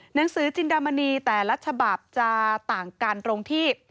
หนังสือจินดามณีแต่ละฉบับจะต่างกันตรงที่